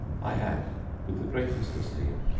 I am, With the greatest esteem.